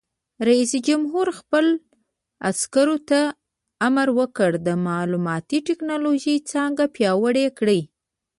رئیس جمهور خپلو عسکرو ته امر وکړ؛ د معلوماتي تکنالوژۍ څانګه پیاوړې کړئ!